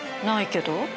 ないけど。